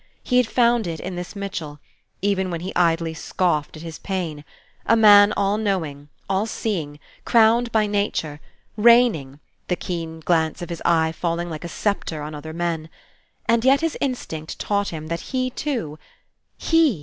He had found it in this Mitchell, even when he idly scoffed at his pain: a Man all knowing, all seeing, crowned by Nature, reigning, the keen glance of his eye falling like a sceptre on other men. And yet his instinct taught him that he too He!